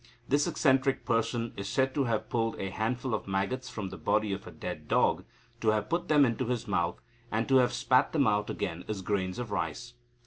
This eccentric person is said to have pulled a handful of maggots from the body of a dead dog, to have put them into his mouth, and to have spat them out again as grains of rice.